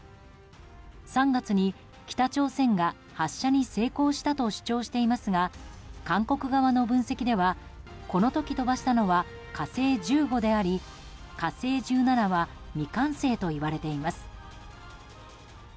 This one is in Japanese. ３月に北朝鮮が発射に成功したと主張していますが韓国側の分析ではこの時、飛ばしたのは「火星１５」であり「火星１７」は未完成といわれています。